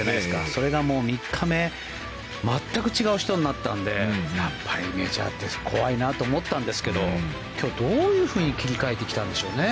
それが３日目全く違う人になったのでやっぱりメジャーって怖いなって思ったんですけど今日、どういうふうに切り替えてきたんでしょうね。